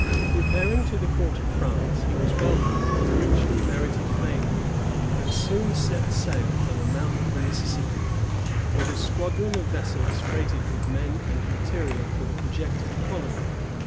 Repairing to the court of France, he was welcomed with richly merited favor, and soon set sail for the mouth of the Mississippi, with a squadron of vessels freighted with men and material for the projected colony.